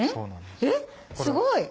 えっすごい！